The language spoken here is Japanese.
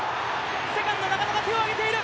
セカンド、中野が手を挙げている！